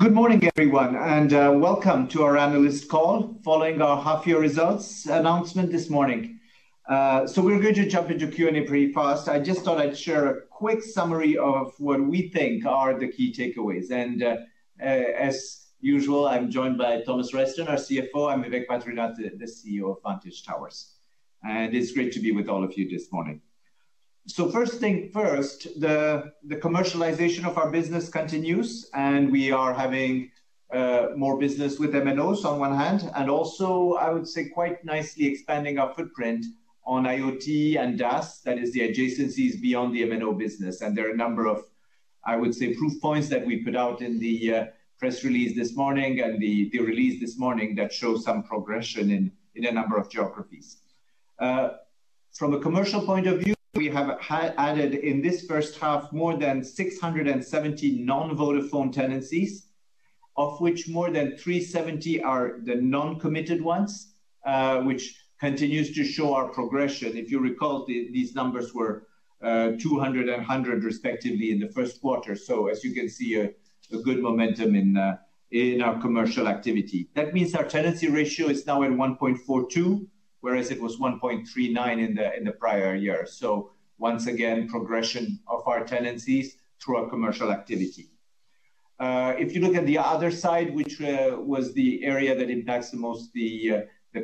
Good morning, everyone, and welcome to our analyst call following our half-year results announcement this morning. We're going to jump into Q&A pretty fast. I just thought I'd share a quick summary of what we think are the key takeaways. As usual, I'm joined by Thomas Reisten, our Chief Financial Officer, and I am Vivek Badrinath, the Chief Executive Officer of Vantage Towers. It's great to be with all of you this morning. First thing first, the commercialization of our business continues, and we are having more business with MNOs on one hand, and also, I would say, quite nicely expanding our footprint on IoT and DAS. That is the adjacencies beyond the MNO business. There are a number of, I would say, proof points that we put out in the press release this morning and the release this morning that shows some progression in a number of geographies. From a commercial point of view, we have added in this first half more than 670 non-Vodafone tenancies, of which more than 370 are the non-committed ones, which continues to show our progression. If you recall, these numbers were 200 and 100 respectively in the first quarter. As you can see, a good momentum in our commercial activity. That means our tenancy ratio is now at 1.42, whereas it was 1.39 in the prior year. Once again, progression of our tenancies through our commercial activity. If you look at the other side, which was the area that impacts the most, the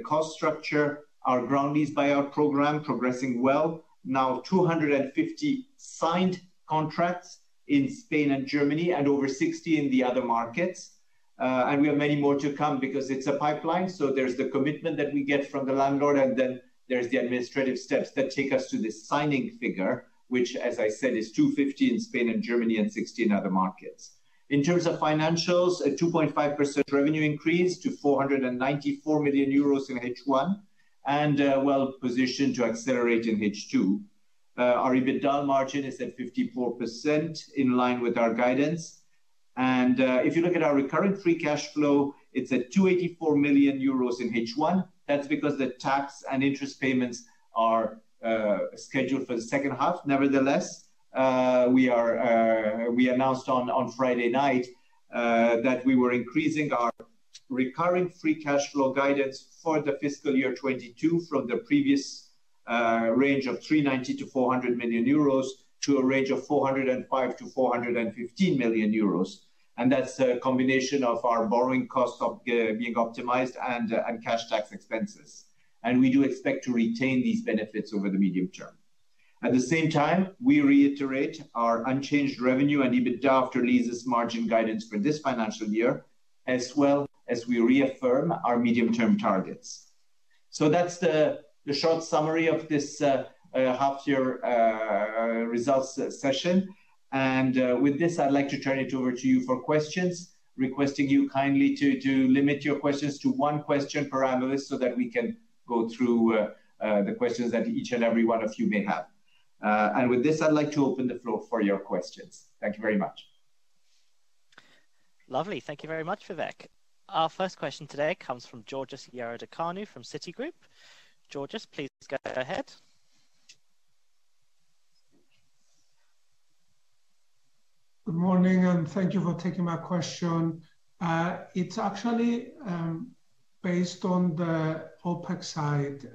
cost structure, our Ground Lease Buyout Program progressing well. Now 250 signed contracts in Spain and Germany, and over 60 in the other markets. We have many more to come because it's a pipeline, so there's the commitment that we get from the landlord, and then there's the administrative steps that take us to the signing figure, which, as I said, is 250 in Spain and Germany and 60 in other markets. In terms of financials, a 2.5% revenue increase to 494 million euros in H1, and well-positioned to accelerate in H2. Our EBITDA margin is at 54%, in line with our guidance. If you look at our recurring free cash flow, it's at 284 million euros in H1. That's because the tax and interest payments are scheduled for the second half. Nevertheless, we announced on Friday night that we were increasing our recurring free cash flow guidance for the fiscal year 2022 from the previous range of 390 million-400 million euros to a range of 405 million-415 million euros. That's a combination of our borrowing costs being optimized and cash tax expenses. We do expect to retain these benefits over the medium term. At the same time, we reiterate our unchanged revenue and EBITDA after leases margin guidance for this financial year, as well as we reaffirm our medium-term targets. That's the short summary of this half year results session. With this, I'd like to turn it over to you for questions, requesting you kindly to limit your questions to one question per analyst so that we can go through the questions that each and every one of you may have. With this, I'd like to open the floor for your questions. Thank you very much. Lovely. Thank you very much, Vivek. Our first question today comes from Georgios Ierodiaconou from Citigroup. Georgios, please go ahead. Good morning, and thank you for taking my question. It's actually based on the OpEx side.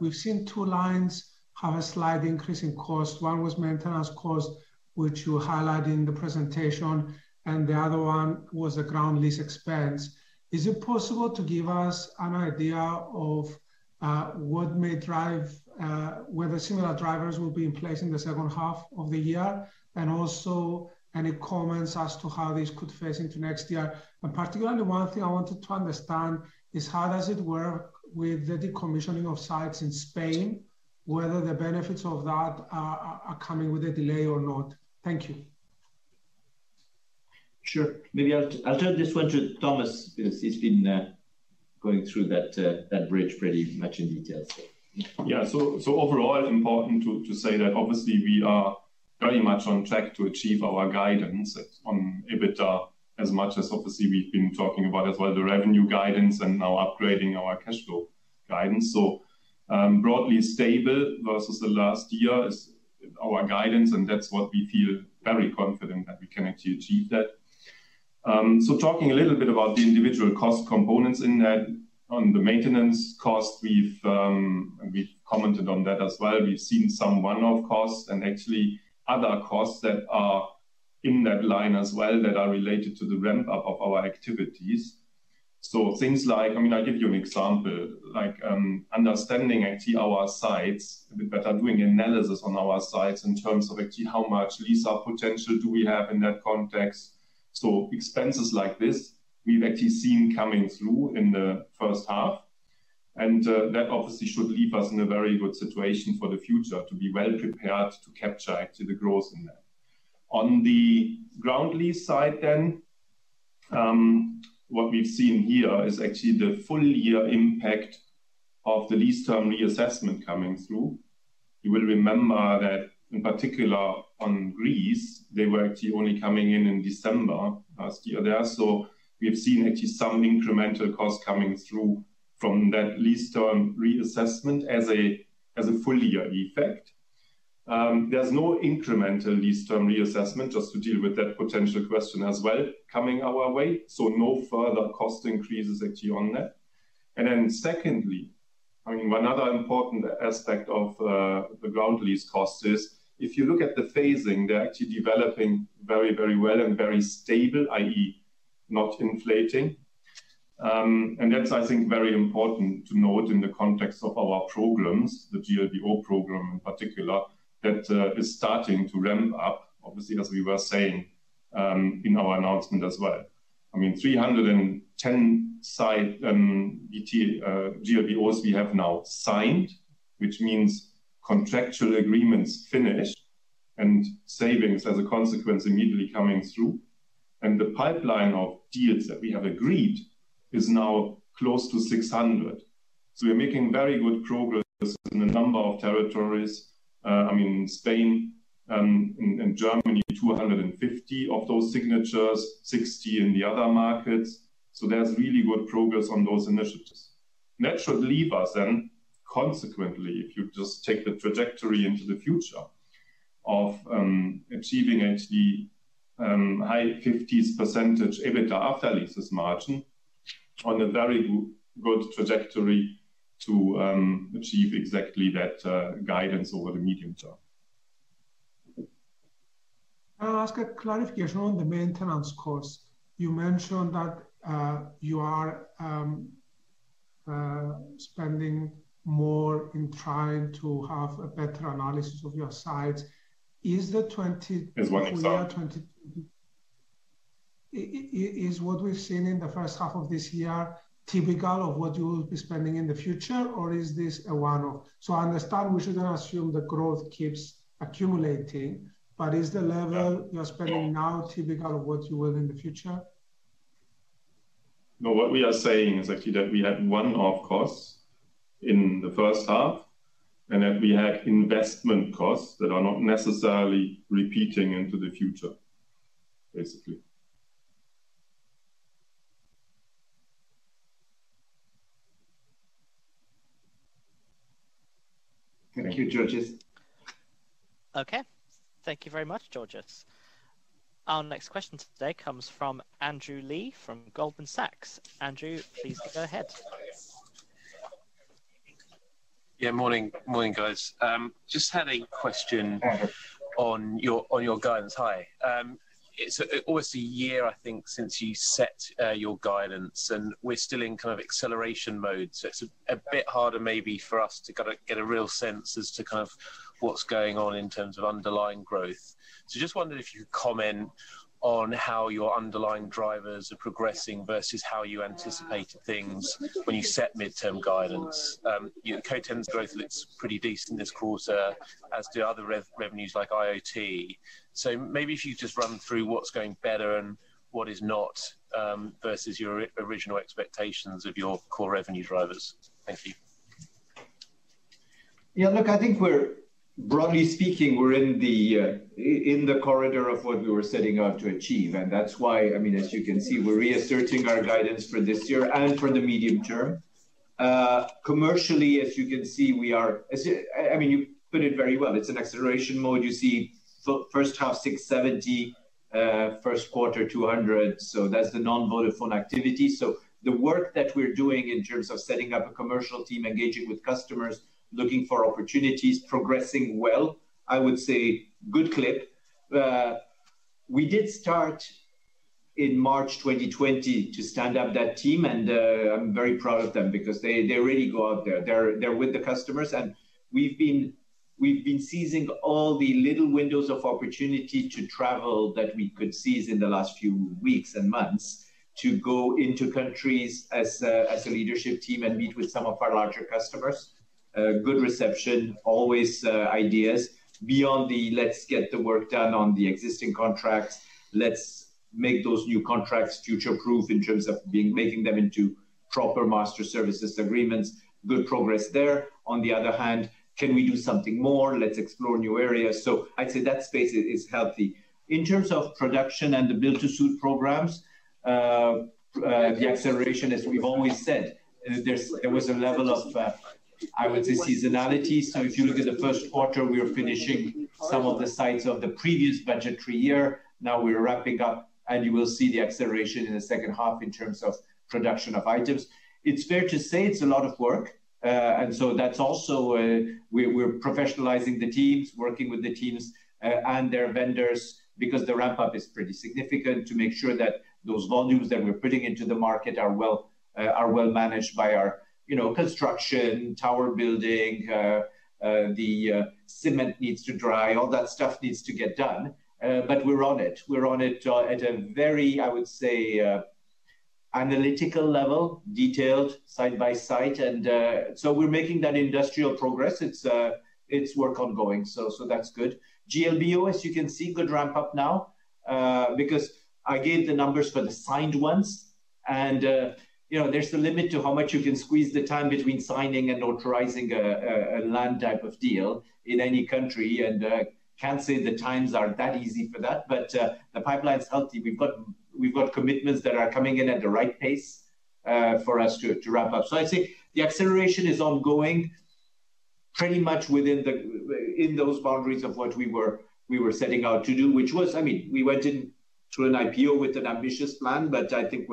We've seen two lines have a slight increase in cost. One was maintenance cost, which you highlight in the presentation, and the other one was the ground lease expense. Is it possible to give us an idea of what may drive whether similar drivers will be in place in the second half of the year? Any comments as to how this could phase into next year. Particularly, one thing I wanted to understand is how does it work with the decommissioning of sites in Spain, whether the benefits of that are coming with a delay or not. Thank you. Sure. Maybe I'll turn this one to Thomas because he's been going through that bridge pretty much in detail. Overall, important to say that obviously we are very much on track to achieve our guidance on EBITDA as much as obviously we've been talking about as well, the revenue guidance and now upgrading our cash flow guidance. Broadly stable versus the last year is our guidance, and that's what we feel very confident that we can actually achieve that. Talking a little bit about the individual cost components in that. On the maintenance cost, we've commented on that as well. We've seen some one-off costs and actually other costs that are in that line as well that are related to the ramp-up of our activities. Things like, I mean, I'll give you an example. Like, understanding actually our sites a bit better, doing analysis on our sites in terms of actually how much lease-up potential do we have in that context. Expenses like this we've actually seen coming through in the first half, and that obviously should leave us in a very good situation for the future to be well prepared to capture actually the growth in that. On the ground lease side then, what we've seen here is actually the full-year impact of the lease term reassessment coming through. You will remember that in particular on Greece, they were actually only coming in in December last year. We have seen actually some incremental cost coming through from that lease term reassessment as a full-year effect. There's no incremental lease term reassessment just to deal with that potential question as well coming our way. No further cost increases actually on that. I mean, another important aspect of the ground lease cost is if you look at the phasing, they're actually developing very, very well and very stable, i.e., not inflating. That's, I think, very important to note in the context of our programs, the GLBO program in particular, that is starting to ramp up obviously, as we were saying, in our announcement as well. I mean, 310 sites GLBOs we have now signed, which means contractual agreements finished and savings as a consequence immediately coming through. The pipeline of deals that we have agreed is now close to 600. We're making very good progress in the number of territories. I mean, Spain and Germany, 250 of those signatures, 60 in the other markets. There's really good progress on those initiatives. That should leave us then, consequently, if you just take the trajectory into the future of achieving actually high fifties% EBITDA after leases margin on a very good trajectory to achieve exactly that guidance over the medium term. I'll ask a clarification on the maintenance costs. You mentioned that you are spending more in trying to have a better analysis of your sites. Is the 20. It's one-off. Is what we've seen in the first half of this year typical of what you'll be spending in the future, or is this a one-off? I understand we shouldn't assume the growth keeps accumulating, but is the level you're spending now typical of what you will in the future? No, what we are saying is actually that we had one-off costs in the first half, and that we had investment costs that are not necessarily repeating into the future, basically. Thank you, Georgios. Okay. Thank you very much, Georgios. Our next question today comes from Andrew Lee from Goldman Sachs. Andrew, please go ahead. Yeah, morning. Morning, guys. Just had a question on your guidance. Hi. It's obviously a year, I think, since you set your guidance, and we're still in kind of acceleration mode, so it's a bit harder maybe for us to kinda get a real sense as to kind of what's going on in terms of underlying growth. Just wondering if you could comment on how your underlying drivers are progressing versus how you anticipated things when you set midterm guidance. You know, TOTEM's growth looks pretty decent this quarter, as do other revenues like IoT. Maybe if you just run through what's going better and what is not, versus your original expectations of your core revenue drivers. Thank you. Yeah, look, I think we're broadly speaking, we're in the corridor of what we were setting out to achieve, and that's why, I mean, as you can see, we're reasserting our guidance for this year and for the medium term. Commercially, as you can see, we are, I mean, you put it very well. It's an acceleration mode. You see first half 670, first quarter 200, so that's the non-Vodafone activity. The work that we're doing in terms of setting up a commercial team, engaging with customers, looking for opportunities, progressing well, I would say good clip. We did start in March 2020 to stand up that team and, I'm very proud of them because they really go out there. They're with the customers, and we've been seizing all the little windows of opportunity to travel that we could seize in the last few weeks and months to go into countries as a leadership team and meet with some of our larger customers. Good reception, always, ideas. Beyond the let's get the work done on the existing contracts, let's make those new contracts future-proof in terms of being, making them into proper Master Services Agreements. Good progress there. On the other hand, can we do something more? Let's explore new areas. I'd say that space is healthy. In terms of production and the Build-to-Suit programs, the acceleration, as we've always said, there was a level of, I would say, seasonality. If you look at the first quarter, we were finishing some of the sites of the previous budgetary year. Now we're wrapping up, and you will see the acceleration in the second half in terms of production of items. It's fair to say it's a lot of work. That's also we're professionalizing the teams, working with the teams and their vendors because the ramp-up is pretty significant to make sure that those volumes that we're putting into the market are well managed by our, you know, construction, tower building, the cement needs to dry, all that stuff needs to get done. We're on it at a very, I would say, analytical level, detailed side by side. We're making that industrial progress. It's work ongoing. That's good. GLBO, as you can see, good ramp-up now, because I gave the numbers for the signed ones and, you know, there's the limit to how much you can squeeze the time between signing and authorizing a land type of deal in any country. Can't say the times are that easy for that, but the pipeline's healthy. We've got commitments that are coming in at the right pace for us to wrap up. I'd say the acceleration is ongoing pretty much within those boundaries of what we were setting out to do, which was, I mean, we went in to an IPO with an ambitious plan, but I think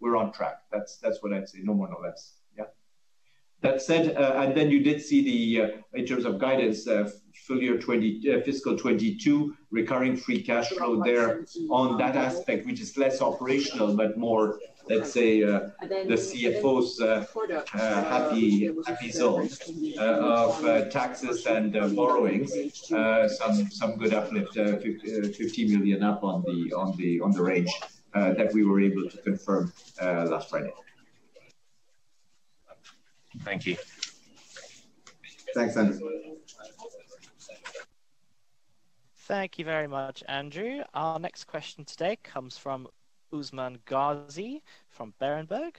we're on track. That's what I'd say, no more, no less. Yeah. That said, and then you did see the, in terms of guidance, full year 2020, fiscal 2022 Recurring Free Cash Flow there on that aspect, which is less operational, but more, let's say, the Chief Financial Officer is happy results of taxes and borrowings, some good uplift, 50 million up on the range that we were able to confirm last Friday. Thank you. Thanks, Andrew. Thank you very much, Andrew. Our next question today comes from Usman Ghazi from Berenberg.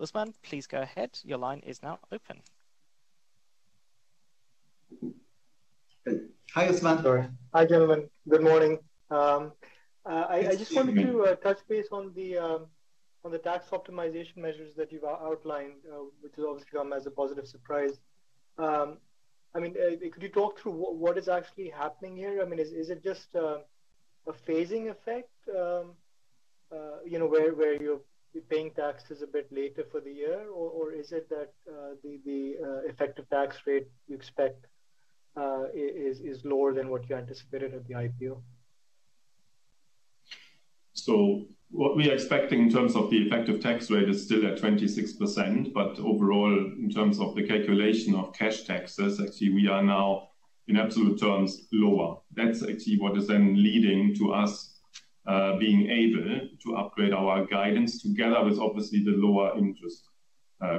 Usman, please go ahead. Your line is now open. Hi, Usman. Hi, gentlemen. Good morning. I just wanted to touch base on the tax optimization measures that you've outlined, which has obviously come as a positive surprise. I mean, could you talk through what is actually happening here? I mean, is it just a phasing effect, you know, where you're paying taxes a bit later for the year? Or is it that the effective tax rate you expect is lower than what you anticipated at the IPO? What we are expecting in terms of the effective tax rate is still at 26%. Overall, in terms of the calculation of cash taxes, actually we are now in absolute terms, lower. That's actually what is then leading to us being able to upgrade our guidance together with obviously the lower interest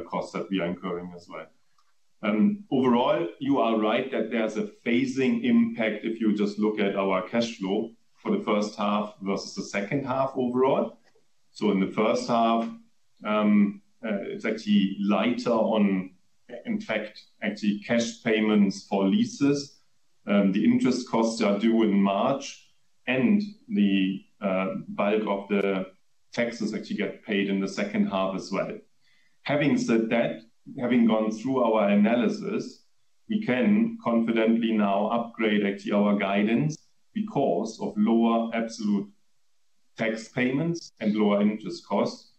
costs that we are incurring as well. Overall, you are right that there's a phasing impact if you just look at our cash flow for the first half versus the second half overall. In the first half, it's actually lighter on, in fact, actually cash payments for leases. The interest costs are due in March, and the bulk of the taxes actually get paid in the second half as well. Having said that, having gone through our analysis, we can confidently now upgrade actually our guidance because of lower absolute tax payments and lower interest costs.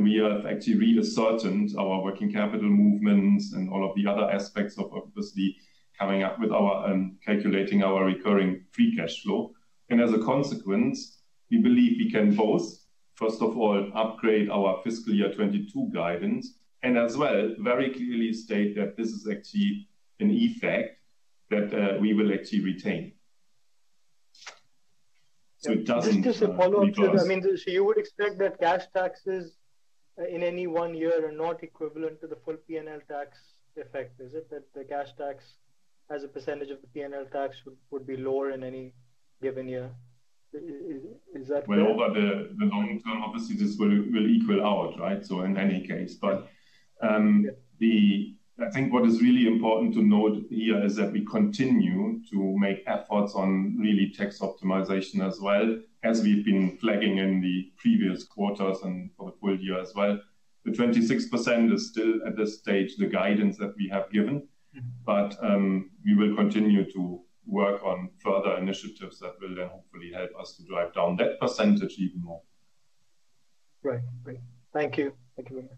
We have actually reasserted our working capital movements and all of the other aspects of obviously coming up with our calculating our Recurring Free Cash Flow. As a consequence, we believe we can both, first of all, upgrade our fiscal year 2022 guidance and as well, very clearly state that this is actually an effect that we will actually retain. Just a follow-up to that. I mean, so you would expect that cash taxes in any one year are not equivalent to the full P&L tax effect. Is it that the cash tax as a percentage of the P&L tax would be lower in any given year? Is that correct? Well, over the long term, obviously this will equal out, right? In any case. I think what is really important to note here is that we continue to make efforts on really tax optimization as well as we've been flagging in the previous quarters and for the full year as well. The 26% is still at this stage, the guidance that we have given. Mm-hmm. We will continue to work on further initiatives that will then hopefully help us to drive down that percentage even more. Great. Thank you very much.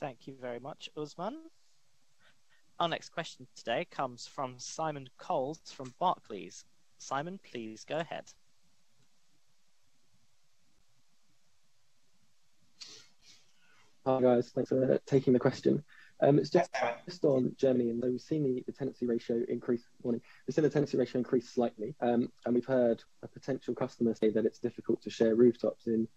Thank you very much, Usman. Our next question today comes from Simon Coles from Barclays. Simon, please go ahead. Hi, guys. Thanks for taking the question. It's just on Germany, and we've seen the tenancy ratio increase slightly, and we've heard a potential customer say that it's difficult to share rooftops in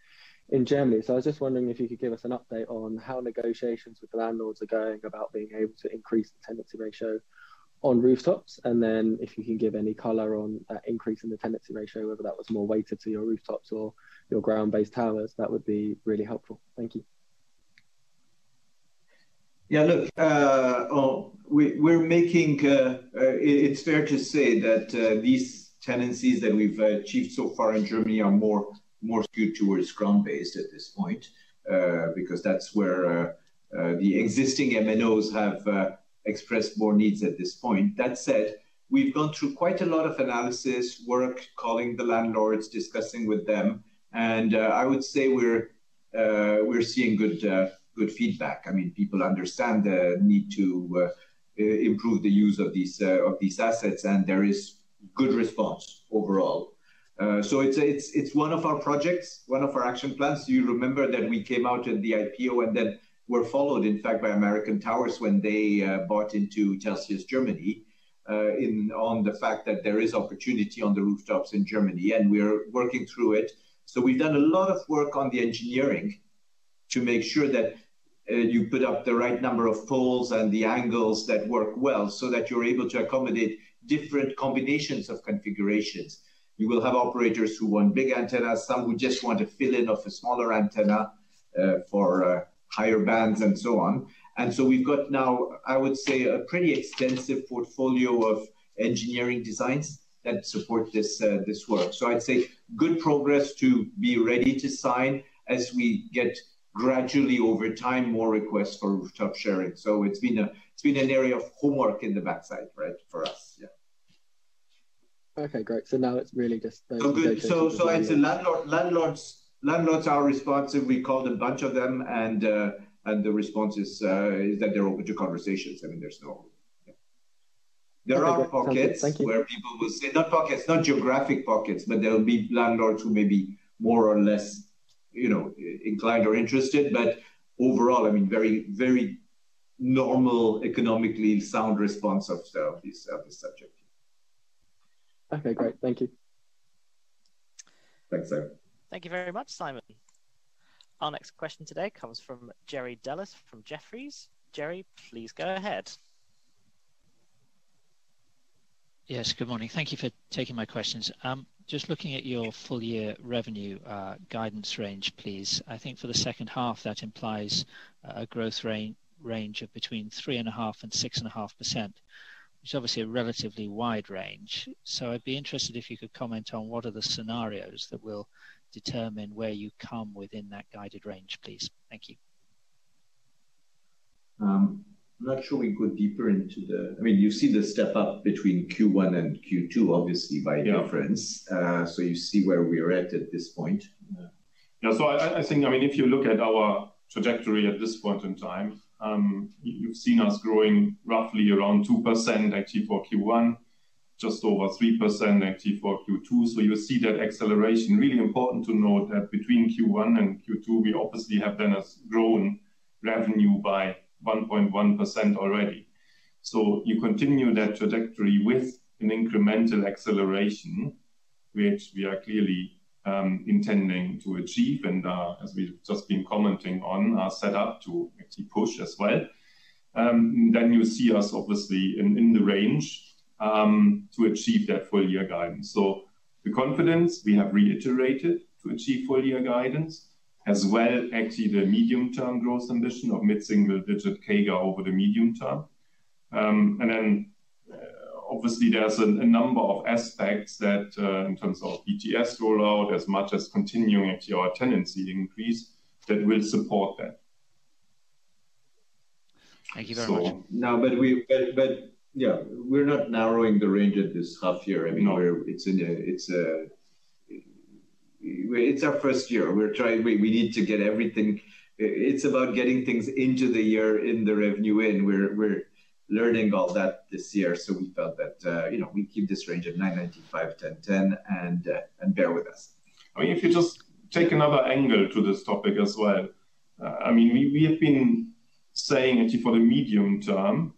Germany. I was just wondering if you could give us an update on how negotiations with the landlords are going about being able to increase the tenancy ratio on rooftops, and then if you can give any color on that increase in the tenancy ratio, whether that was more weighted to your rooftops or your ground-based towers, that would be really helpful. Thank you. It's fair to say that these tenancies that we've achieved so far in Germany are more skewed towards ground-based at this point, because that's where the existing MNOs have expressed more needs at this point. That said, we've gone through quite a lot of analysis work, calling the landlords, discussing with them, and I would say we're seeing good feedback. I mean, people understand the need to improve the use of these assets, and there is good response overall. It's one of our projects, one of our action plans. You remember that we came out at the IPO and then were followed, in fact, by American Tower when they bought into Telxius Germany, on the fact that there is opportunity on the rooftops in Germany, and we're working through it. We've done a lot of work on the engineering to make sure that you put up the right number of poles and the angles that work well, so that you're able to accommodate different combinations of configurations. We will have operators who want big antennas, some who just want a fill-in of a smaller antenna for higher bands, and so on. We've got now, I would say, a pretty extensive portfolio of engineering designs that support this work. I'd say good progress to be ready to sign as we get gradually over time, more requests for rooftop sharing. It's been an area of homework in the backside, right, for us. Yeah. Okay, great. Now it's really just those locations. Landlords are responsive. We called a bunch of them, and the response is that they're open to conversations. I mean, there are pockets. Thank you. where people will say not pockets, not geographic pockets, but there'll be landlords who may be more or less, you know, inclined or interested. Overall, I mean, very, very normal, economically sound response of this subject. Okay, great. Thank you. Thanks, sir. Thank you very much, Simon. Our next question today comes from Jerry Dellis from Jefferies. Jerry, please go ahead. Yes, good morning. Thank you for taking my questions. Just looking at your full year revenue guidance range, please. I think for the second half, that implies a growth range of between 3.5% and 6.5%. It's obviously a relatively wide range, so I'd be interested if you could comment on what are the scenarios that will determine where you come within that guided range, please. Thank you. I'm not sure we go deeper, I mean, you see the step up between Q1 and Q2, obviously by difference. Yeah. You see where we're at this point. Yeah. I think, I mean, if you look at our trajectory at this point in time, you've seen us growing roughly around 2% actually for Q1, just over 3% actually for Q2. You see that acceleration. Really important to note that between Q1 and Q2, we obviously have then grown revenue by 1.1% already. You continue that trajectory with an incremental acceleration, which we are clearly intending to achieve and, as we've just been commenting on, are set up to actually push as well. Then you see us obviously in the range to achieve that full year guidance. The confidence we have reiterated to achieve full year guidance, as well actually the medium-term growth ambition of mid-single digit CAGR over the medium term. Obviously there's a number of aspects that, in terms of BTS rollout, as much as continuing actually our tenancy increase that will support that. Thank you very much. Yeah, we're not narrowing the range at this half year. No. I mean, it's our first year. We're trying. We need to get everything. It's about getting things into the year in the revenue in. We're learning all that this year, so we felt that, you know, we keep this range at 995-1,010 and bear with us. I mean, if you just take another angle to this topic as well. I mean, we have been saying actually for the medium term,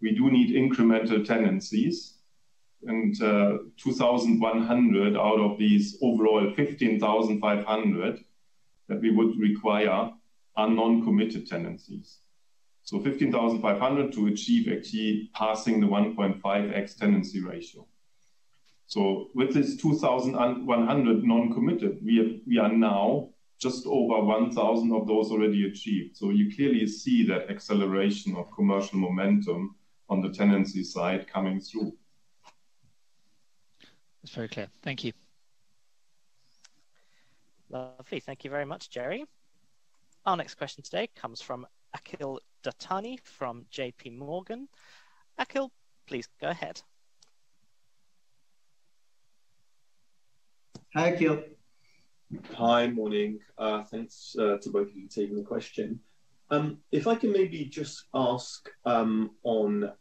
we do need incremental tenancies and 2,100 out of these overall 15,500 that we would require are non-committed tenancies. 15,500 to achieve actually passing the 1.5x tenancy ratio. With this 2,100 non-committed, we are now just over 1,000 of those already achieved. You clearly see that acceleration of commercial momentum on the tenancy side coming through. It's very clear. Thank you. Thank you very much, Jerry. Our next question today comes from Akhil Dattani from JPMorgan. Akhil, please go ahead. Hi, Akhil. Hi. Morning. Thanks to both of you for taking the question. If I can maybe just ask on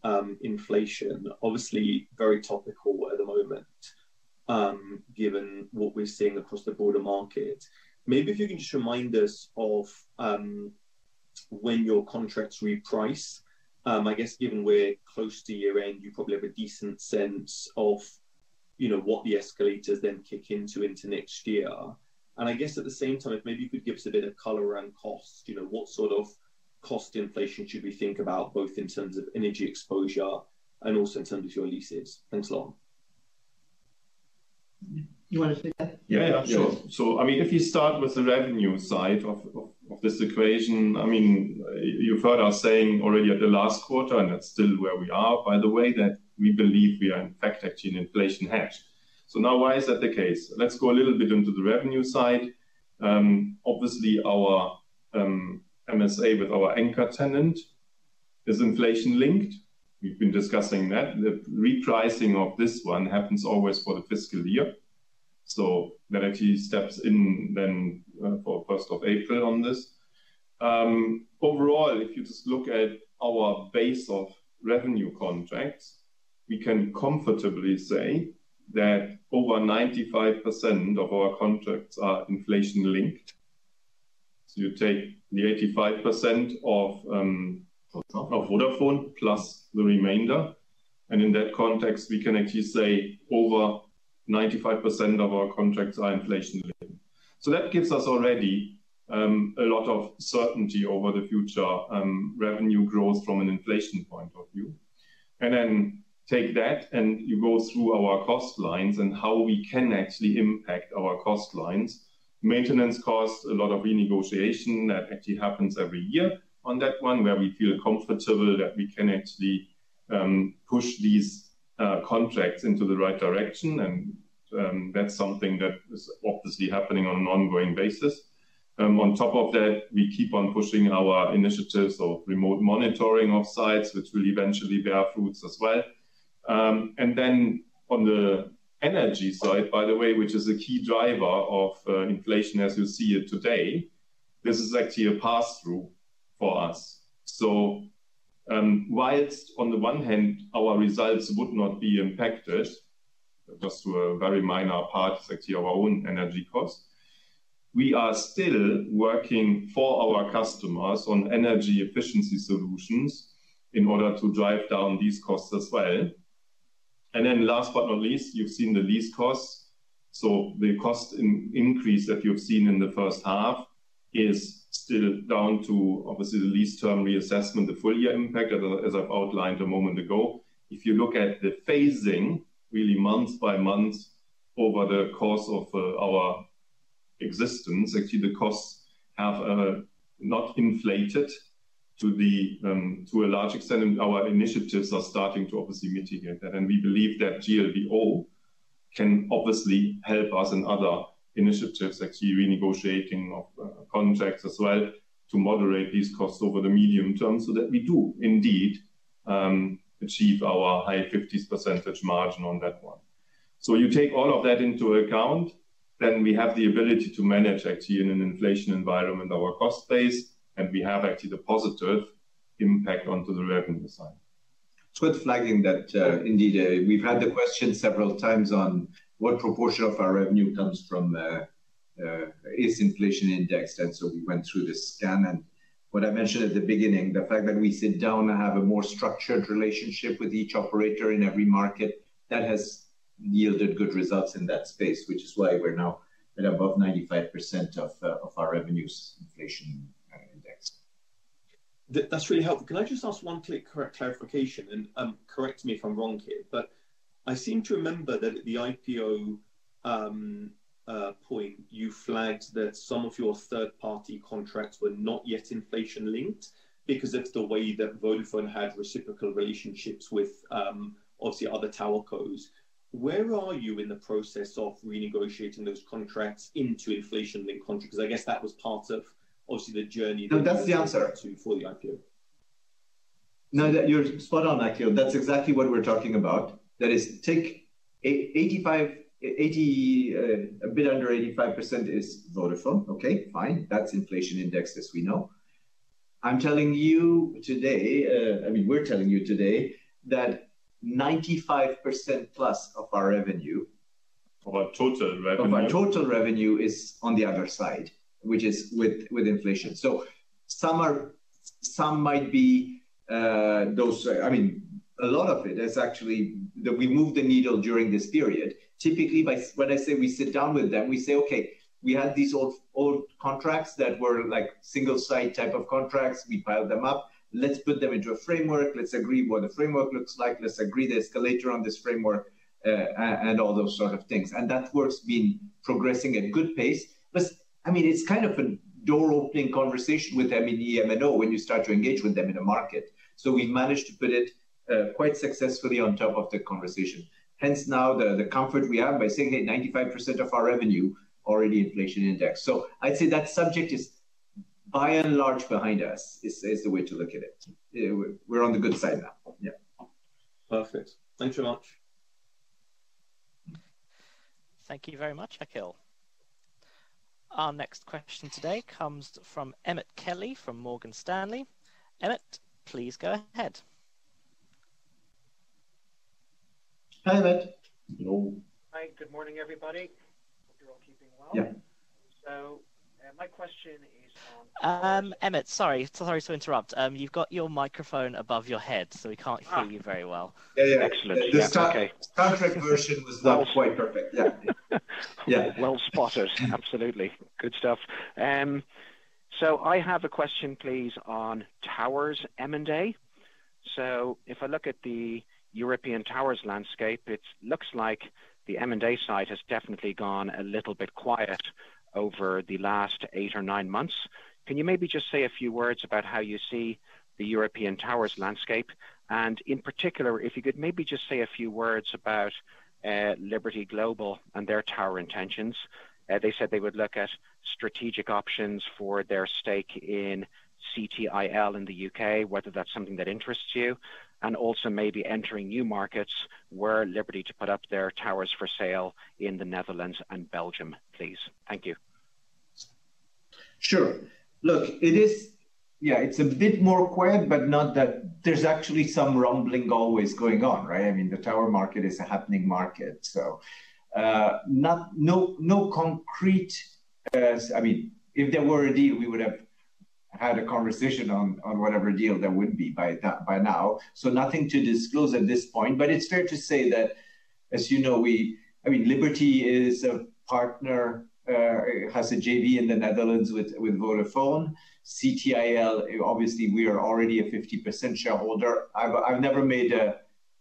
inflation. Obviously very topical at the moment, given what we're seeing across the broader market. Maybe if you can just remind us of when your contracts reprice. I guess given we're close to year-end, you probably have a decent sense of, you know, what the escalators then kick into next year. I guess at the same time, if maybe you could give us a bit of color around cost. You know, what sort of cost inflation should we think about, both in terms of energy exposure and also in terms of your leases. Thanks a lot. You wanna take that? Yeah. Sure. I mean, if you start with the revenue side of this equation. I mean, you've heard us saying already at the last quarter, and that's still where we are by the way, that we believe we are in fact actually an inflation hedge. Now why is that the case? Let's go a little bit into the revenue side. Obviously our MSA with our anchor tenant is inflation linked. We've been discussing that. The repricing of this one happens always for the fiscal year. That actually steps in then, for first of April on this. Overall, if you just look at our base of revenue contracts, we can comfortably say that over 95% of our contracts are inflation linked. You take the 85% of. Vodafone. Vodafone plus the remainder. In that context, we can actually say over 95% of our contracts are inflation linked. That gives us already a lot of certainty over the future revenue growth from an inflation point of view. Take that, and you go through our cost lines and how we can actually impact our cost lines. Maintenance costs, a lot of renegotiation that actually happens every year on that one, where we feel comfortable that we can actually push these contracts into the right direction and that's something that is obviously happening on an ongoing basis. On top of that, we keep on pushing our initiatives of remote monitoring of sites, which will eventually bear fruits as well. On the energy side, by the way, which is a key driver of inflation as you see it today, this is actually a pass-through for us. Whilst on the one hand our results would not be impacted just to a very minor part, it's actually our own energy costs, we are still working for our customers on energy efficiency solutions in order to drive down these costs as well. Last but not least, you've seen the lease costs. The cost increase that you've seen in the first half is still down to obviously the lease term reassessment, the full year impact, as I've outlined a moment ago. If you look at the phasing really month by month over the course of our existence, actually the costs have not inflated to a large extent, and our initiatives are starting to obviously mitigate that. We believe that GLBO can obviously help us in other initiatives actually renegotiating of contracts as well to moderate these costs over the medium term so that we do indeed achieve our high 50s% margin on that one. You take all of that into account, then we have the ability to manage actually in an inflation environment our cost base, and we have actually the positive impact onto the revenue side. It's worth flagging that, indeed, we've had the question several times on what proportion of our revenue comes from is inflation indexed, and so we went through the scan. What I mentioned at the beginning, the fact that we sit down and have a more structured relationship with each operator in every market, that has yielded good results in that space, which is why we're now at above 95% of our revenues inflation indexed. That's really helpful. Can I just ask one clarification? Correct me if I'm wrong here, but I seem to remember that at the IPO point, you flagged that some of your third-party contracts were not yet inflation-linked because of the way that Vodafone had reciprocal relationships with, obviously, other tower cos. Where are you in the process of renegotiating those contracts into inflation-linked contracts? 'Cause I guess that was part of obviously the journey. No, that's the answer. For the IPO. No, you're spot on, Akhil. That's exactly what we're talking about. That is, take 85%, 80%, a bit under 85% is Vodafone. Okay, fine. That's inflation indexed as we know. I mean, we're telling you today that 95% plus of our revenue. Of our total revenue Of our total revenue is on the other side, which is with inflation. Some are, some might be, those. I mean, a lot of it is actually that we moved the needle during this period. Typically, when I say we sit down with them, we say, "Okay, we had these old contracts that were like single site type of contracts. We piled them up. Let's put them into a framework. Let's agree what the framework looks like. Let's agree the escalator on this framework," and all those sort of things. That work's been progressing at a good pace. I mean, it's kind of a door-opening conversation with them in EM&O when you start to engage with them in a market. We managed to put it quite successfully on top of the conversation. Hence now the comfort we have by saying that 95% of our revenue is already inflation indexed. I'd say that subject is by and large behind us. It is the way to look at it. We're on the good side now. Yeah. Perfect. Thanks very much. Thank you very much, Akhil. Our next question today comes from Emmet Kelly from Morgan Stanley. Emmet, please go ahead. Hi, Emmet. Hello. Hi. Good morning, everybody. Hope you're all keeping well. Yeah. My question is on. Emmet, sorry to interrupt. You've got your microphone above your head, so we can't hear you very well. Yeah, yeah. Excellent. The static version was not quite perfect. Yeah. Well spotted. Absolutely. Good stuff. I have a question, please, on towers M&A. If I look at the European towers landscape, it looks like the M&A side has definitely gone a little bit quiet over the last eight or nine months. Can you maybe just say a few words about how you see the European towers landscape? In particular, if you could maybe just say a few words about Liberty Global and their tower intentions. They said they would look at strategic options for their stake in CTIL in the U.K., whether that's something that interests you. Also maybe entering new markets, were Liberty to put up their towers for sale in the Netherlands and Belgium, please. Thank you. Sure. Look, it is. Yeah, it's a bit more quiet, but not that there's actually some rumbling always going on, right? I mean, the tower market is a happening market. No concrete. I mean, if there were a deal, we would have had a conversation on whatever deal that would be by now. Nothing to disclose at this point. It's fair to say that as you know, I mean, Liberty is a partner, has a JV in the Netherlands with Vodafone. CTIL, obviously, we are already a 50% shareholder. I've never made a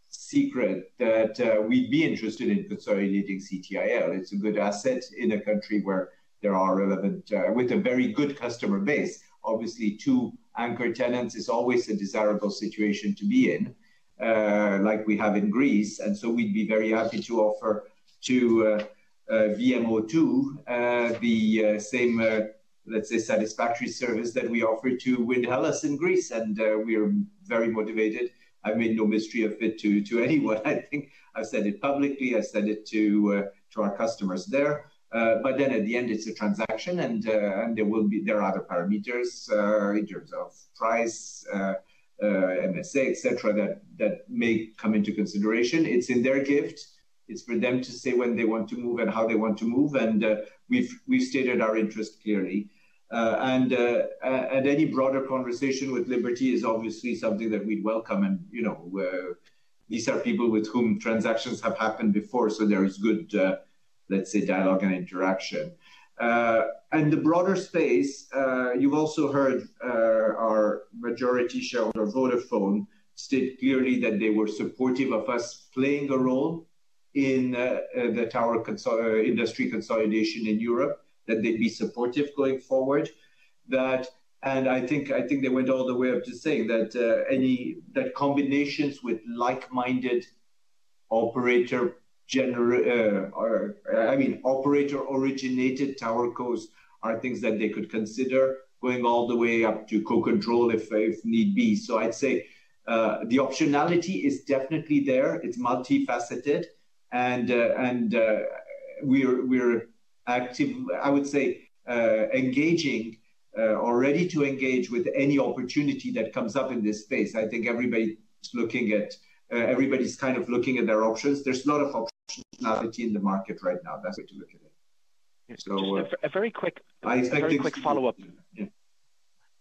secret that we'd be interested in consolidating CTIL. It's a good asset in a country where there are relevant with a very good customer base. Obviously, two anchor tenants is always a desirable situation to be in, like we have in Greece. We'd be very happy to offer to VMO2 the same, let's say satisfactory service that we offer to Wind Hellas in Greece. We are very motivated. I've made no mystery of it to anyone. I think I've said it publicly, I've said it to our customers there. At the end, it's a transaction, and there are other parameters in terms of price, MSA, etc., that may come into consideration. It's in their gift. It's for them to say when they want to move and how they want to move. We've stated our interest clearly. Any broader conversation with Liberty is obviously something that we'd welcome. You know, these are people with whom transactions have happened before, so there is good, let's say, dialogue and interaction. In the broader space, you've also heard our majority shareholder, Vodafone, state clearly that they were supportive of us playing a role in the industry consolidation in Europe, that they'd be supportive going forward. I think they went all the way up to saying that combinations with like-minded operator-originated TowerCos are things that they could consider going all the way up to co-control if need be. I'd say the optionality is definitely there. It's multifaceted and we're active. I would say, engaging, or ready to engage with any opportunity that comes up in this space. I think everybody's kind of looking at their options. There's a lot of optionality in the market right now. That's the way to look at it. A, a very quick- I expect things to.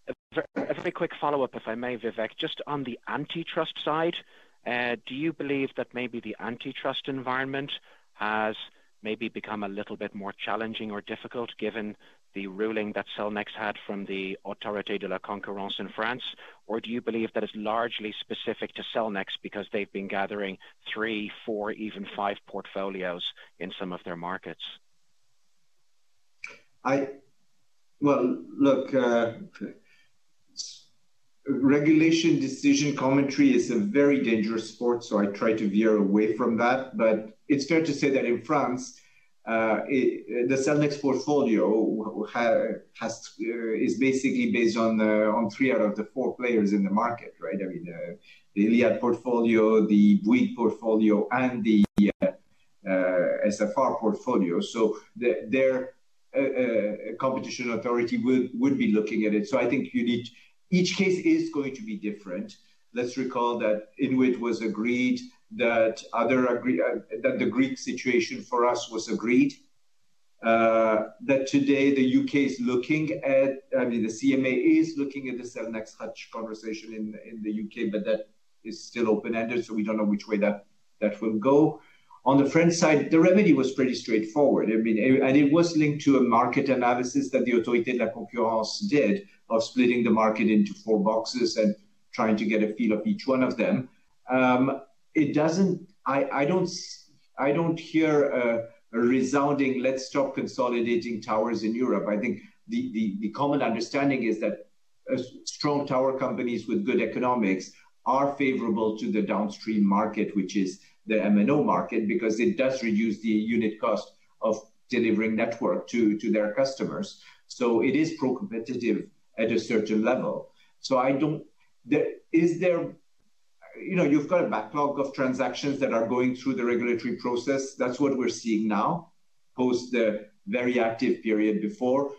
A very quick follow-up, if I may, Vivek. Just on the antitrust side, do you believe that maybe the antitrust environment has maybe become a little bit more challenging or difficult given the ruling that Cellnex had from the Autorité de la concurrence in France? Or do you believe that it's largely specific to Cellnex because they've been gathering three, four, even five portfolios in some of their markets? Well, look, regulatory decision commentary is a very dangerous sport, so I try to veer away from that. It's fair to say that in France, the Cellnex portfolio is basically based on three out of the four players in the market, right? I mean, the Iliad portfolio, the Bouygues portfolio and the SFR portfolio. Their competition authority would be looking at it. I think each case is going to be different. Let's recall that INWIT was agreed, that the Greek situation for us was agreed. That today the U.K. is looking at, I mean, the CMA is looking at the Cellnex-Hutchison deal in the U.K., but that is still open-ended, so we don't know which way that will go. On the French side, the remedy was pretty straightforward. I mean, and it was linked to a market analysis that the Autorité de la concurrence did of splitting the market into four boxes and trying to get a feel of each one of them. I don't hear a resounding, "Let's stop consolidating towers in Europe." I think the common understanding is that strong tower companies with good economics are favorable to the downstream market, which is the MNO market, because it does reduce the unit cost of delivering network to their customers. It is pro-competitive at a certain level. You know, you've got a backlog of transactions that are going through the regulatory process. That's what we're seeing now, post the very active period before.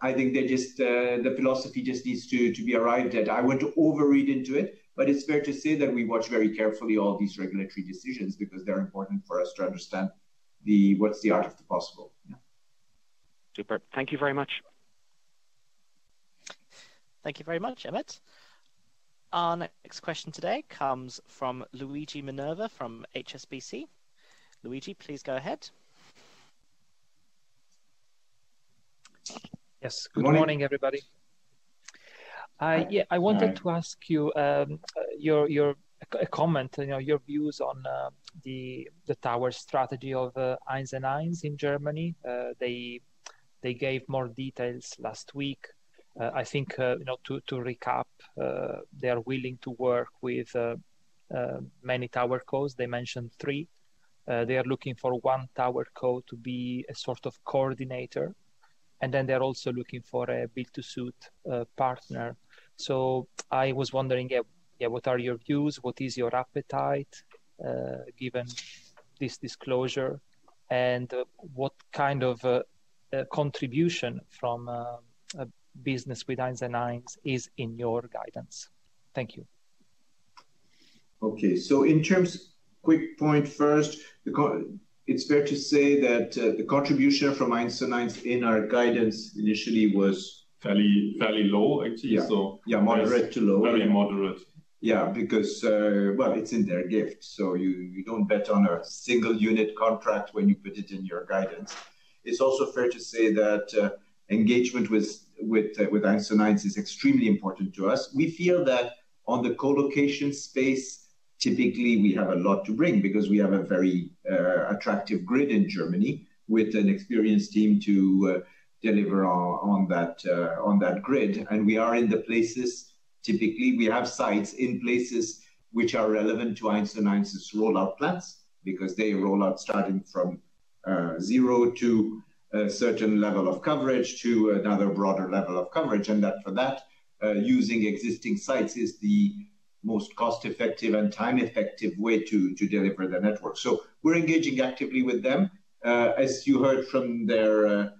I think the philosophy just needs to be arrived at. I wouldn't overread into it, but it's fair to say that we watch very carefully all these regulatory decisions because they're important for us to understand what's the art of the possible. Yeah. Super. Thank you very much. Thank you very much, Emmet. Our next question today comes from Luigi Minerva from HSBC. Luigi, please go ahead. Good morning. Yes. Good morning, everybody. I wanted to ask you, your comment, you know, your views on the tower strategy of 1&1 in Germany. They gave more details last week. I think, you know, to recap, they are willing to work with many tower cos. They mentioned three. They are looking for one tower co to be a sort of coordinator, and then they're also looking for a build-to-suit partner. I was wondering, what are your views? What is your appetite given this disclosure? What kind of contribution from a business with 1&1 is in your guidance? Thank you. Okay. Quick point first. It's fair to say that, the contribution from 1&1 in our guidance initially was. Fairly low, actually. Yeah. So- Yeah, moderate to low. Very moderate. Yeah. Because, well, it's in their gift, so you don't bet on a single unit contract when you put it in your guidance. It's also fair to say that engagement with 1&1 is extremely important to us. We feel that on the co-location space, typically, we have a lot to bring because we have a very attractive grid in Germany with an experienced team to deliver on that grid. We are in the places, typically, we have sites in places which are relevant to 1&1's rollout plans because they roll out starting from zero to a certain level of coverage to another broader level of coverage. For that, using existing sites is the most cost-effective and time-effective way to deliver the network. We're engaging actively with them. As you heard from their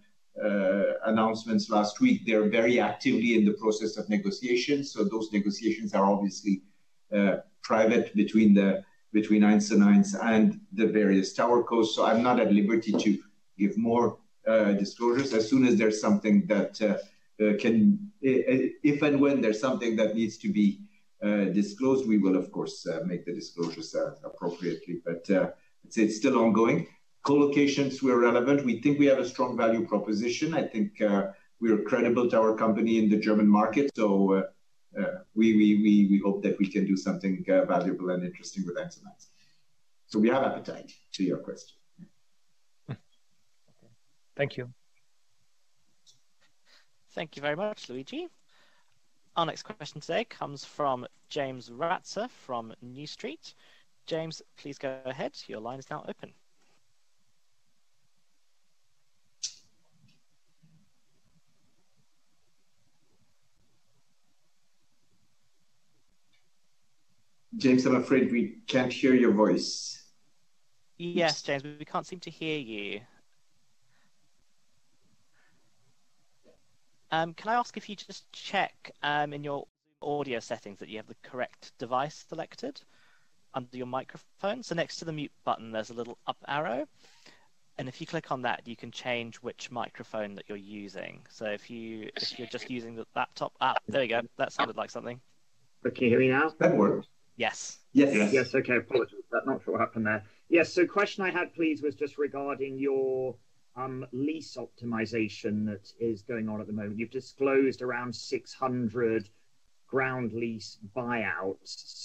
announcements last week, they're very actively in the process of negotiations. Those negotiations are obviously private between 1&1 and the various TowerCo. I'm not at liberty to give more disclosures. As soon as there's something, if and when there's something that needs to be disclosed, we will of course make the disclosures appropriately. It's still ongoing. Co-locations where relevant. We think we have a strong value proposition. I think we are a credible counterparty in the German market, so we hope that we can do something valuable and interesting with 1&1. We have appetite to your question. Okay. Thank you. Thank you very much, Luigi. Our next question today comes from James Ratzer from New Street. James, please go ahead. Your line is now open. James, I'm afraid we can't hear your voice. Yes, James. We can't seem to hear you. Can I ask if you just check in your audio settings that you have the correct device selected under your microphone? Next to the mute button, there's a little up arrow, and if you click on that, you can change which microphone that you're using. If you're just using the laptop, there we go. That sounded like something. Okay. Can you hear me now? That works. Yes. Yes. Yes. Okay. Apologies. Not sure what happened there. Yes. Question I had, please, was just regarding your lease optimization that is going on at the moment. You've disclosed around 600 ground lease buyouts.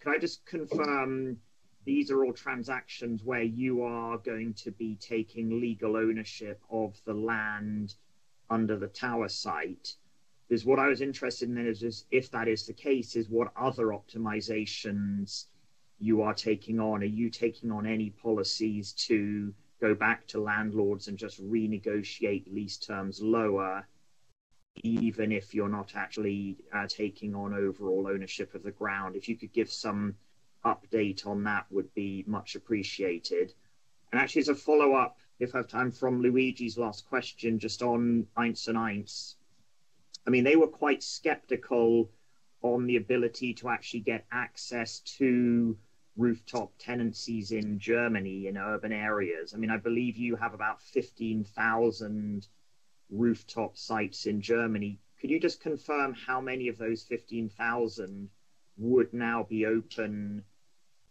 Can I just confirm these are all transactions where you are going to be taking legal ownership of the land under the tower site? 'Cause what I was interested in is if that is the case, what other optimizations you are taking on. Are you taking on any policies to go back to landlords and just renegotiate lease terms lower, even if you're not actually taking on overall ownership of the ground? If you could give some update on that would be much appreciated. Actually, as a follow-up, if I have time from Luigi's last question, just on 1&1. I mean, they were quite skeptical on the ability to actually get access to rooftop tenancies in Germany in urban areas. I mean, I believe you have about 15,000 rooftop sites in Germany. Could you just confirm how many of those 15,000 would now be open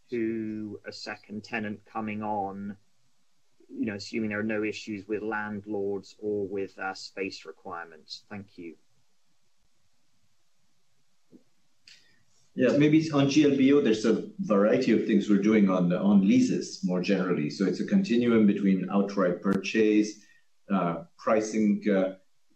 to a second tenant coming on, you know, assuming there are no issues with landlords or with space requirements? Thank you. Yeah. Maybe it's on GLBO. There's a variety of things we're doing on leases more generally. It's a continuum between outright purchase, pricing,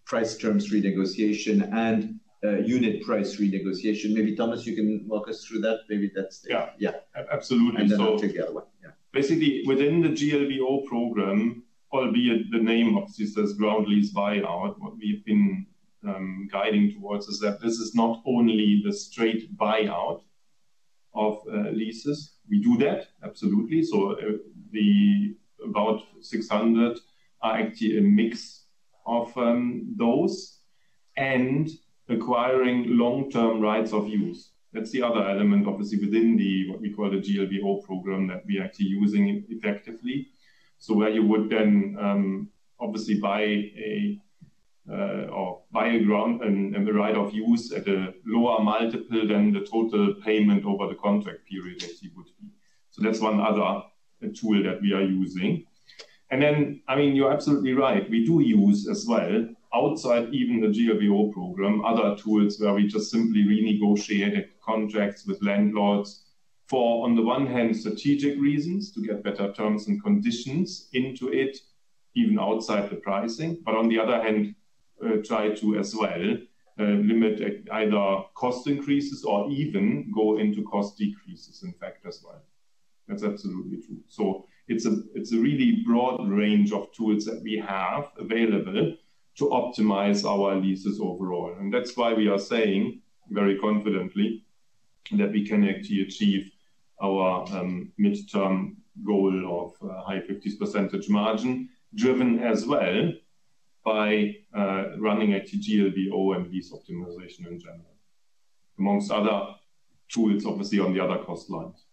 price terms renegotiation, and unit price renegotiation. Maybe, Thomas, you can walk us through that. Maybe that's the Yeah. Yeah. Absolutely. I'll take the other one. Yeah. Basically, within the GLBO program, albeit the name obviously says ground lease buyout, what we've been guiding towards is that this is not only the straight buyout of leases. We do that, absolutely, so the about 600 are actually a mix of those and acquiring long-term rights of use. That's the other element, obviously, within what we call the GLBO program that we're actually using effectively. So where you would then obviously buy ground and the right of use at a lower multiple than the total payment over the contract period, as it would be. That's one other tool that we are using. I mean, you're absolutely right. We do use as well, outside even the GLBO program, other tools where we just simply renegotiated contracts with landlords for, on the one hand, strategic reasons to get better terms and conditions into it, even outside the pricing. On the other hand, try to as well, limit either cost increases or even go into cost decreases, in fact, as well. That's absolutely true. It's a really broad range of tools that we have available to optimize our leases overall. That's why we are saying very confidently that we can actually achieve our midterm goal of high 50s% margin, driven as well by running a GLBO and lease optimization in general, amongst other tools, obviously, on the other cost lines.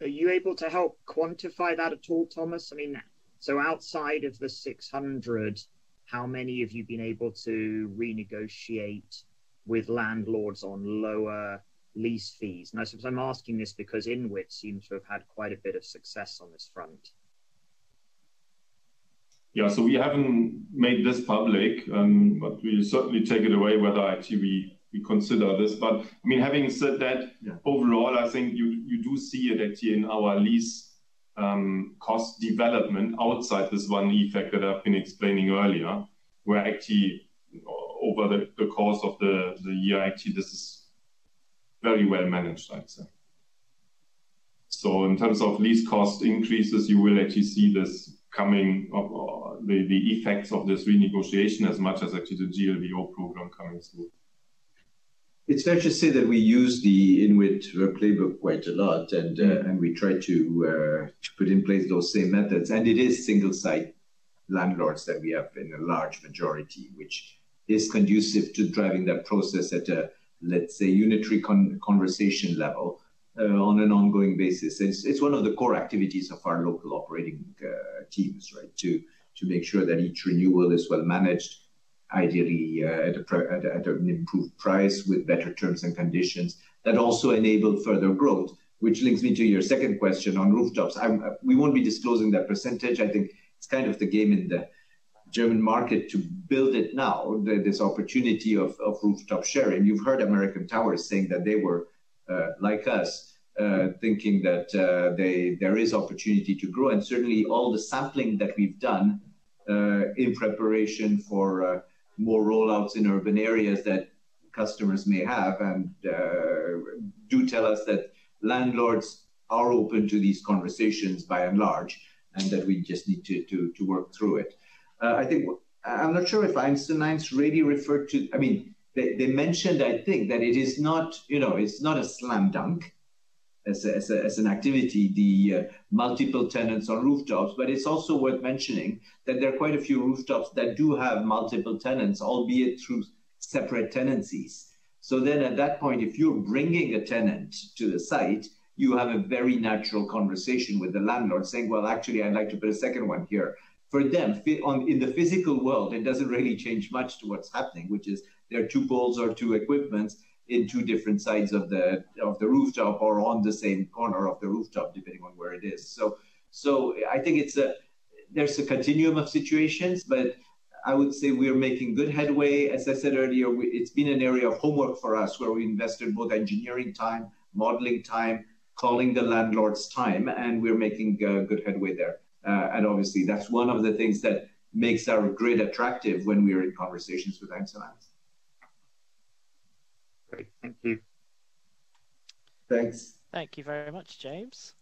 Are you able to help quantify that at all, Thomas? I mean, so outside of the 600, how many have you been able to renegotiate with landlords on lower lease fees? I suppose I'm asking this because INWIT seems to have had quite a bit of success on this front. Yeah. We haven't made this public, but we'll certainly take it away whether actually we consider this. I mean, having said that. Yeah Overall, I think you do see it actually in our lease cost development outside this one effect that I've been explaining earlier, where actually over the course of the year, actually this is very well managed, I'd say. In terms of lease cost increases, you will actually see this coming up, the effects of this renegotiation as much as actually the GLBO program coming through. It's fair to say that we use the INWIT playbook quite a lot, and we try to put in place those same methods. It is single site landlords that we have in a large majority, which is conducive to driving that process at a, let's say, unitary conversation level, on an ongoing basis. It's one of the core activities of our local operating teams, right? To make sure that each renewal is well managed, ideally, at an improved price with better terms and conditions that also enable further growth. Which leads me to your second question on rooftops. We won't be disclosing that percentage. I think it's kind of the game in the German market to build it now, this opportunity of rooftop sharing. You've heard American Tower saying that they were like us thinking that there is opportunity to grow. Certainly, all the sampling that we've done in preparation for more rollouts in urban areas that customers may have and do tell us that landlords are open to these conversations by and large, and that we just need to work through it. I think I'm not sure if analysts really referred to. I mean, they mentioned, I think, that it is not, you know, it's not a slam dunk as an activity, the multiple tenants on rooftops. It's also worth mentioning that there are quite a few rooftops that do have multiple tenants, albeit through separate tenancies. At that point, if you're bringing a tenant to the site, you have a very natural conversation with the landlord saying, "Well, actually, I'd like to put a second one here." For them, in the physical world, it doesn't really change much to what's happening, which is there are two poles or two equipments in two different sides of the rooftop or on the same corner of the rooftop, depending on where it is. I think there's a continuum of situations, but I would say we are making good headway. As I said earlier, it's been an area of homework for us where we invested both engineering time, modeling time, calling the landlords time, and we're making good headway there. Obviously, that's one of the things that makes our grid attractive when we are in conversations with 1&1s. Great. Thank you. Thanks. Thank you very much, James.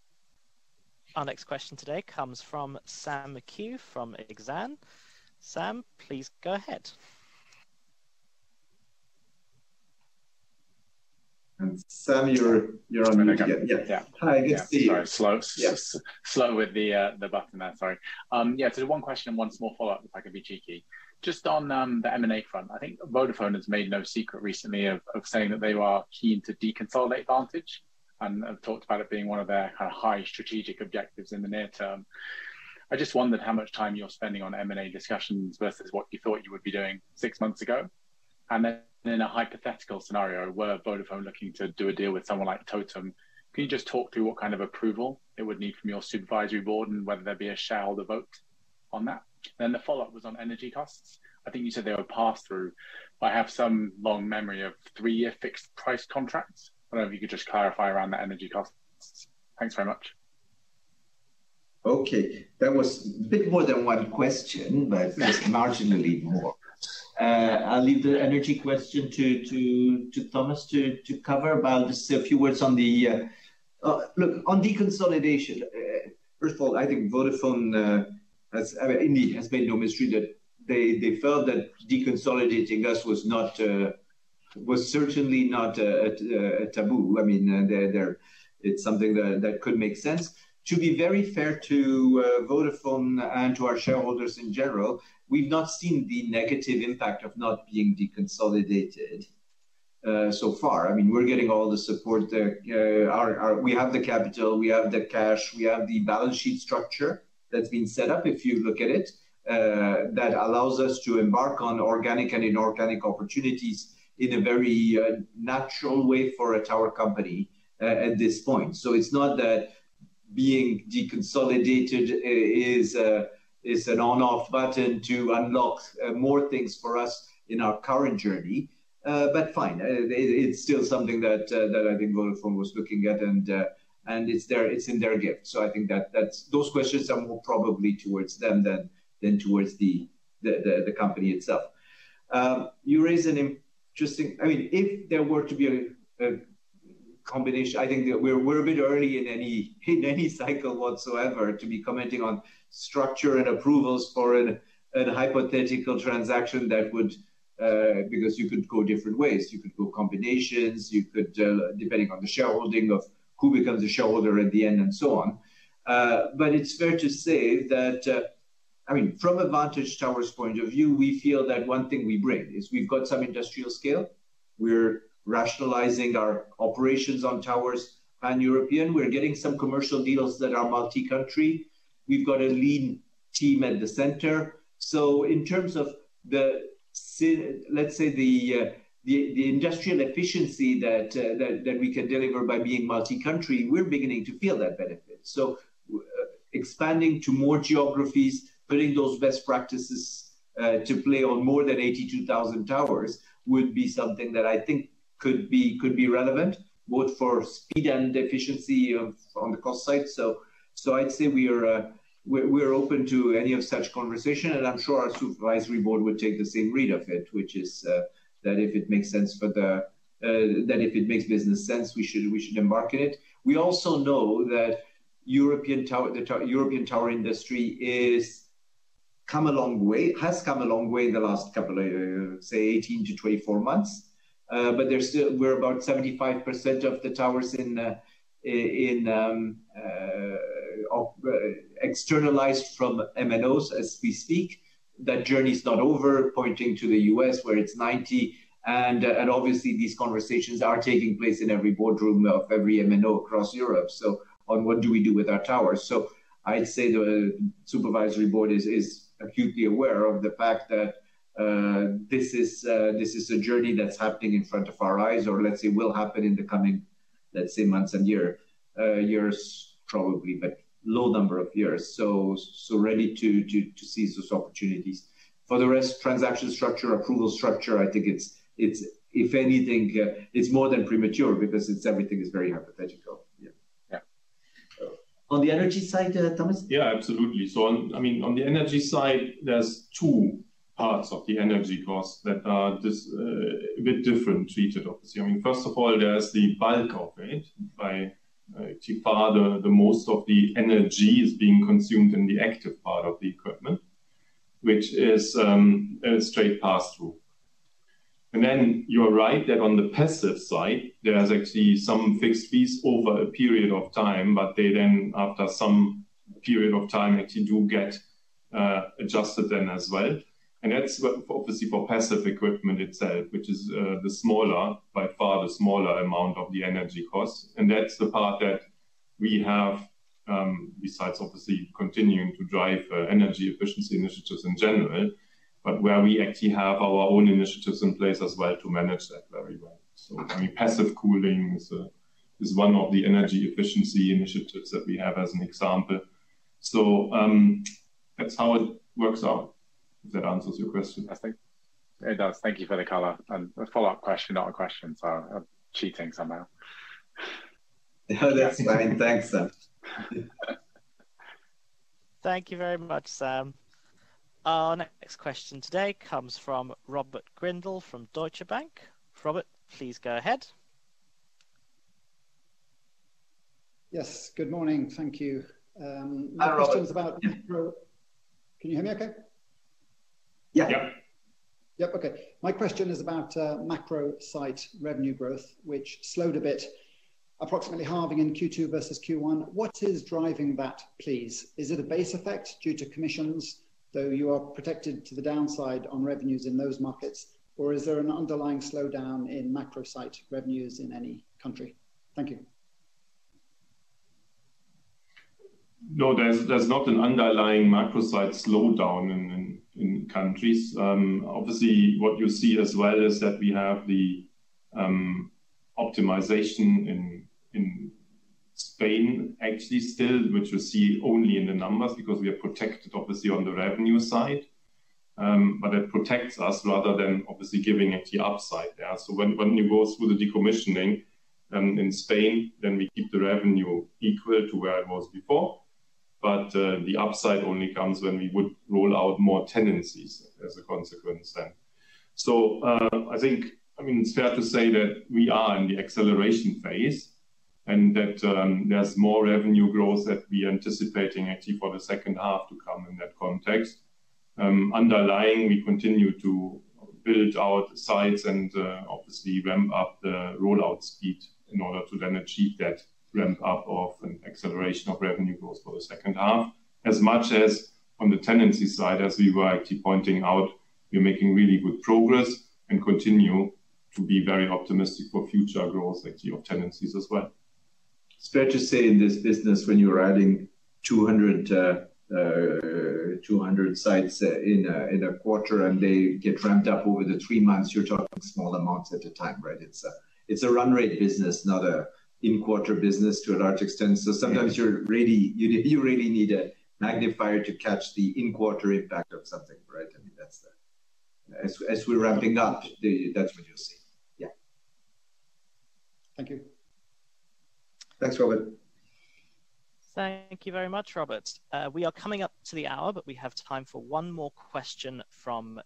Our next question today comes from Sam McHugh from Exane. Sam, please go ahead. Sam, you're on mute again. I'm on again. Yeah. Yeah. Hi, good to see you. Yeah. Sorry. Slow. Yes. One question and one small follow-up, if I could be cheeky. Just on the M&A front, I think Vodafone has made no secret recently of saying that they are keen to deconsolidate Vantage and talked about it being one of their kind of high strategic objectives in the near term. I just wondered how much time you're spending on M&A discussions versus what you thought you would be doing six months ago. In a hypothetical scenario, were Vodafone looking to do a deal with someone like TOTEM, can you just talk through what kind of approval it would need from your supervisory board and whether there'd be a shareholder vote on that? The follow-up was on energy costs. I think you said they were passed through. I have some long memory of three-year fixed price contracts. I don't know if you could just clarify around the energy costs? Thanks very much. Okay. That was a bit more than one question, but just marginally more. I'll leave the energy question to Thomas to cover, but I'll just say a few words. Look, on deconsolidation, first of all, I think Vodafone has, I mean, indeed, has made no mystery that they felt that deconsolidating us was not, was certainly not a taboo. I mean, they're. It's something that could make sense. To be very fair to Vodafone and to our shareholders in general, we've not seen the negative impact of not being deconsolidated so far. I mean, we're getting all the support there. Our We have the capital, we have the cash, we have the balance sheet structure that's been set up, if you look at it, that allows us to embark on organic and inorganic opportunities in a very natural way for a tower company at this point. It's not that being deconsolidated is an on/off button to unlock more things for us in our current journey. Fine, it's still something that I think Vodafone was looking at, and it's in their gift. I think that's those questions are more probably towards them than towards the company itself. You raise an interesting point. I mean, if there were to be a combination, I think that we're a bit early in any cycle whatsoever to be commenting on structure and approvals for a hypothetical transaction, because you could go different ways. You could go combinations. You could, depending on the shareholding of who becomes a shareholder at the end and so on. But it's fair to say that, I mean, from a Vantage Towers point of view, we feel that one thing we bring is we've got some industrial scale. We're rationalizing our operations on towers pan-European. We're getting some commercial deals that are multi-country. We've got a lean team at the center. In terms of the industrial efficiency that we can deliver by being multi-country, we're beginning to feel that benefit. Expanding to more geographies, putting those best practices to play on more than 82,000 towers would be something that I think could be relevant, both for speed and efficiency on the cost side. I'd say we are, we're open to any of such conversation, and I'm sure our supervisory board would take the same read of it, which is that if it makes business sense, we should embark in it. We also know that the European tower industry has come a long way. Has come a long way in the last couple of, say, 18-24 months. But there's still 75% of the towers in operation externalized from MNOs as we speak. That journey is not over, pointing to the U.S. where it's 90%. Obviously these conversations are taking place in every boardroom of every MNO across Europe. On what do we do with our towers? I'd say the supervisory board is acutely aware of the fact that this is a journey that's happening in front of our eyes, or let's say, will happen in the coming, let's say, months and years probably, but low number of years. Ready to seize those opportunities. For the rest, transaction structure, approval structure, I think it's if anything, it's more than premature because it's everything is very hypothetical. Yeah. Yeah. On the energy side, Thomas? Yeah, absolutely. On the energy side, I mean, there are two parts of the energy costs that are just a bit differently treated, obviously. I mean, first of all, there's the bulk of it by far the most of the energy is being consumed in the active part of the equipment, which is a straight pass-through. You are right that on the passive side, there's actually some fixed fees over a period of time, but they then after some period of time actually do get adjusted then as well. That's obviously for passive equipment itself, which is the smaller by far amount of the energy costs. That's the part that we have, besides obviously continuing to drive energy efficiency initiatives in general, but where we actually have our own initiatives in place as well to manage that very well. I mean, passive cooling is one of the energy efficiency initiatives that we have as an example. That's how it works out. If that answers your question. I think it does. Thank you for the color. A follow-up question, not a question, so I'm cheating somehow. No, that's fine. Thanks, Sam. Thank you very much, Sam. Our next question today comes from Robert Grindle from Deutsche Bank. Robert, please go ahead. Yes, good morning. Thank you. Hi, Robert. My question is about macro. Can you hear me okay? Yeah. Yep. Okay. My question is about macro site revenue growth, which slowed a bit, approximately halving in Q2 versus Q1. What is driving that, please? Is it a base effect due to commissions, though you are protected to the downside on revenues in those markets? Or is there an underlying slowdown in macro site revenues in any country? Thank you. No, there's not an underlying macro site slowdown in countries. Obviously, what you see as well is that we have the optimization in Spain actually still, which we see only in the numbers because we are protected, obviously, on the revenue side. It protects us rather than obviously giving it the upside. Yeah. When it goes through the decommissioning in Spain, then we keep the revenue equal to where it was before. The upside only comes when we would roll out more tenancies as a consequence then. I think, I mean, it's fair to say that we are in the acceleration phase and that there's more revenue growth that we're anticipating actually for the second half to come in that context. Underlying, we continue to build our sites and obviously ramp up the rollout speed in order to then achieve that ramp up of an acceleration of revenue growth for the second half. As much as on the tenancy side, as we were actually pointing out, we're making really good progress and continue to be very optimistic for future growth actually of tenancies as well. It's fair to say in this business, when you're adding 200 sites in a quarter and they get ramped up over the three months, you're talking small amounts at a time, right? It's a run rate business, not an in-quarter business to a large extent. Sometimes you really need a magnifier to catch the in-quarter impact of something, right? I mean, as we're ramping up, that's what you'll see. Yeah. Thank you. Thanks, Robert. Thank you very much, Robert. We are coming up to the hour, but we have time for one more question from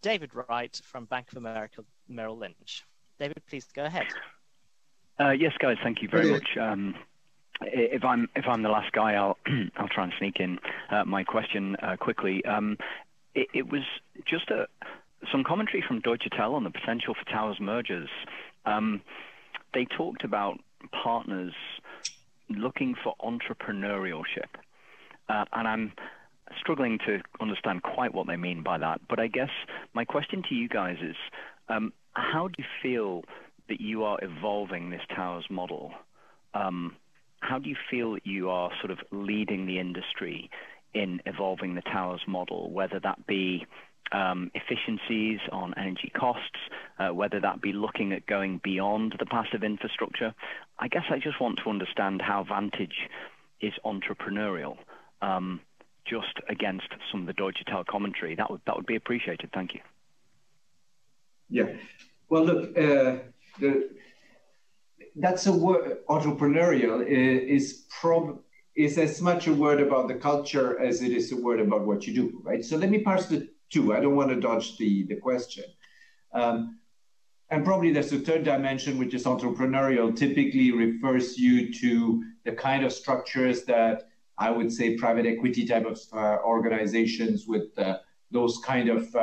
David Wright from Bank of America Merrill Lynch. David, please go ahead. Yes, guys. Thank you very much. Hello. If I'm the last guy, I'll try and sneak in my question quickly. It was just some commentary from Deutsche Telekom on the potential for towers mergers. They talked about partners looking for entrepreneurship. I'm struggling to understand quite what they mean by that. I guess my question to you guys is how do you feel that you are evolving this towers model? How do you feel that you are sort of leading the industry in evolving the towers model, whether that be efficiencies on energy costs, whether that be looking at going beyond the passive infrastructure? I guess I just want to understand how Vantage is entrepreneurial just against some of the Deutsche Telekom commentary. That would be appreciated. Thank you. Yeah. Well, look, that's a word, entrepreneurial is as much a word about the culture as it is a word about what you do, right? Let me parse the two. I don't wanna dodge the question. Probably there's a third dimension which is entrepreneurial, typically refers you to the kind of structures that I would say private equity type of organizations with those kind of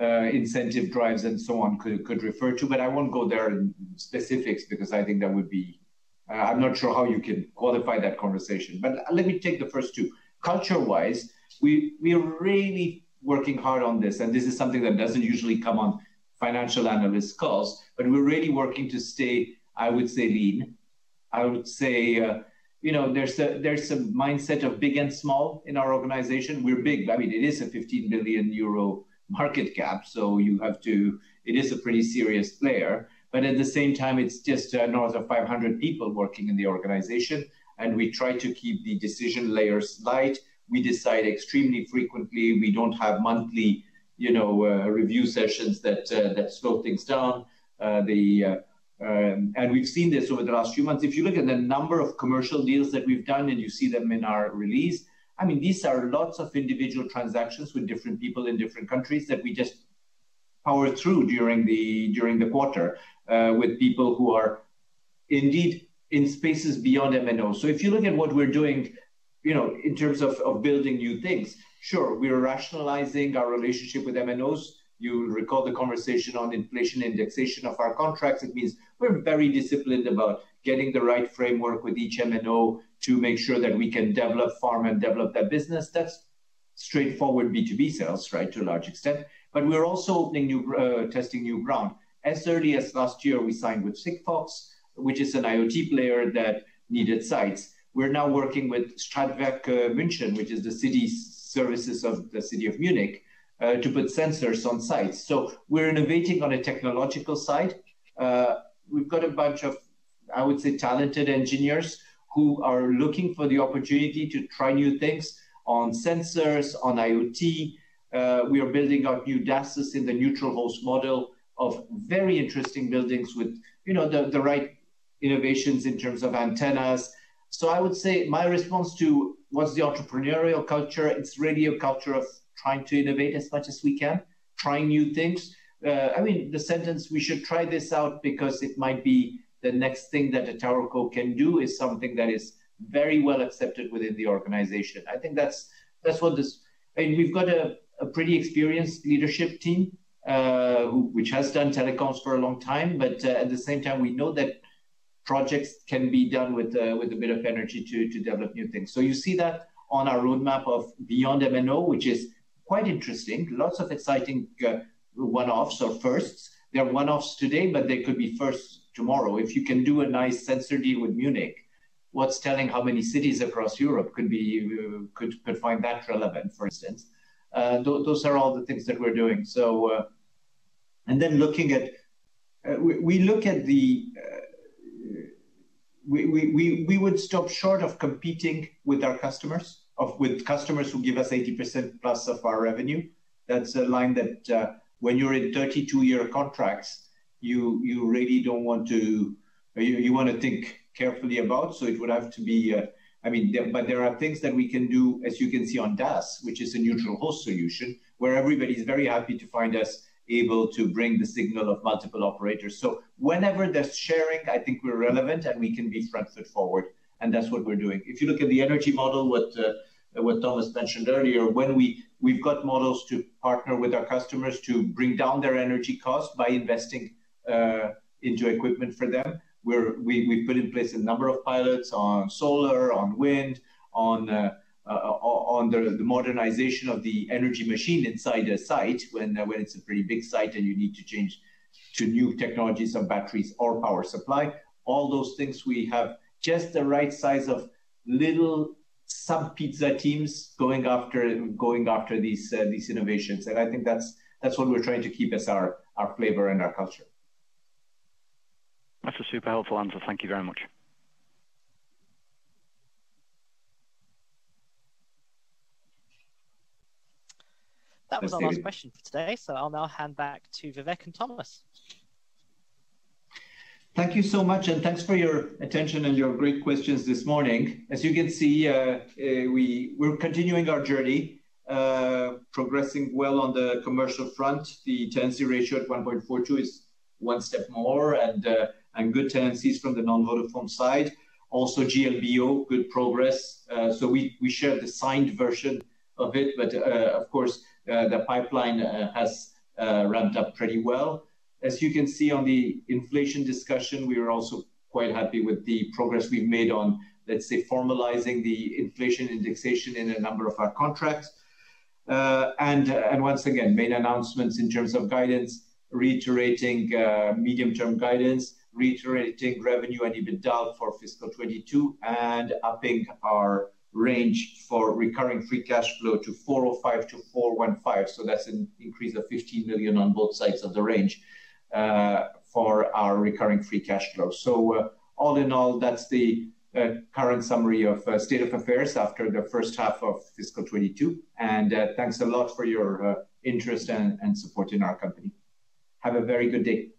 incentive drives and so on could refer to. I won't go there in specifics because I think that would be. I'm not sure how you can qualify that conversation. Let me take the first two. Culture-wise, we are really working hard on this, and this is something that doesn't usually come on financial analyst calls, but we're really working to stay, I would say, lean. I would say, you know, there's a mindset of big and small in our organization. We're big. I mean, it is a 15 billion euro market cap, so you have to. It is a pretty serious player. At the same time, it's just north of 500 people working in the organization, and we try to keep the decision layers light. We decide extremely frequently. We don't have monthly, you know, review sessions that slow things down. We've seen this over the last few months. If you look at the number of commercial deals that we've done, and you see them in our release, I mean, these are lots of individual transactions with different people in different countries that we just power through during the quarter with people who are indeed in spaces beyond MNO. If you look at what we're doing, you know, in terms of of building new things, sure, we are rationalizing our relationship with MNOs. You recall the conversation on inflation indexation of our contracts. It means we're very disciplined about getting the right framework with each MNO to make sure that we can develop farm and develop their business. That's straightforward B2B sales, right, to a large extent. But we're also testing new ground. As early as last year, we signed with Sigfox, which is an IoT player that needed sites. We're now working with Stadtwerke München, which is the city services of the city of Munich, to put sensors on sites. We're innovating on a technological side. We've got a bunch of, I would say, talented engineers who are looking for the opportunity to try new things on sensors, on IoT. We are building our new DAS systems in the neutral host model of very interesting buildings with, you know, the right innovations in terms of antennas. I would say my response to what's the entrepreneurial culture, it's really a culture of trying to innovate as much as we can, trying new things. I mean, the sentence, "We should try this out because it might be the next thing that TowerCo can do," is something that is very well accepted within the organization. I think that's what this. I mean, we've got a pretty experienced leadership team, which has done telecoms for a long time. At the same time, we know that projects can be done with a bit of energy to develop new things. You see that on our roadmap of beyond MNO, which is quite interesting. Lots of exciting one-offs or firsts. They're one-offs today, but they could be firsts tomorrow. If you can do a nice sensor deal with Munich, what's telling how many cities across Europe could find that relevant, for instance? Those are all the things that we're doing. We would stop short of competing with customers who give us 80% plus of our revenue. That's a line that when you're in 32-year contracts, you really don't want to. You wanna think carefully about, so it would have to be. I mean, there are things that we can do, as you can see on DAS, which is a neutral host solution, where everybody's very happy to find us able to bring the signal of multiple operators. Whenever there's sharing, I think we're relevant, and we can be front foot forward, and that's what we're doing. If you look at the energy model, what Thomas mentioned earlier, when we've got models to partner with our customers to bring down their energy costs by investing into equipment for them. We put in place a number of pilots on solar, on wind, on the modernization of the energy machine inside a site when it's a pretty big site and you need to change to new technologies of batteries or power supply. All those things we have just the right size of little some pizza teams going after these innovations. I think that's what we're trying to keep as our flavor and our culture. That's a super helpful answer. Thank you very much. Thank you. That was our last question for today, so I'll now hand back to Vivek and Thomas. Thank you so much, and thanks for your attention and your great questions this morning. As you can see, we're continuing our journey, progressing well on the commercial front. The tenancy ratio at 1.42 is one step more and good tenancies from the non-Vodafone side. Also GLBO, good progress. So we shared the signed version of it, but of course the pipeline has ramped up pretty well. As you can see on the inflation discussion, we are also quite happy with the progress we've made on, let's say, formalizing the inflation indexation in a number of our contracts. We once again made announcements in terms of guidance, reiterating medium-term guidance, reiterating revenue and EBITDA for fiscal 2022, and upping our range for recurring free cash flow to 405 million-415 million. That's an increase of 15 million on both sides of the range for our recurring free cash flow. All in all, that's the current summary of state of affairs after the first half of fiscal 2022. Thanks a lot for your interest and support in our company. Have a very good day.